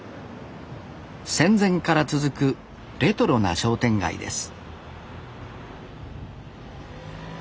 戦前から続くレトロな商店街です